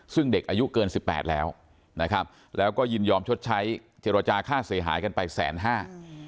ซึ่งเด็กอายุเกินสิบแปดแล้วนะครับแล้วก็ยินยอมชดใช้เจรจาค่าเสียหายกันไปแสนห้า